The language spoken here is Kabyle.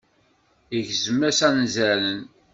Igezm-as anzaren.